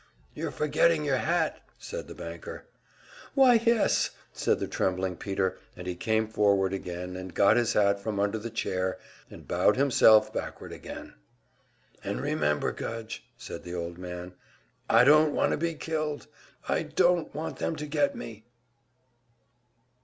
"You're forgetting your hat," said the banker. "Why, yes," said the trembling Peter, and he came forward again, and got his hat from under the chair, and bowed himself backward again. "And remember, Gudge," said the old man, "I don't want to be killed! I don't want them to get me!"